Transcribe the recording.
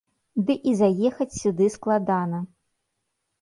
Ды і заехаць сюды складана.